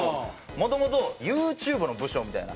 もともとＹｏｕＴｕｂｅの部署みたいな。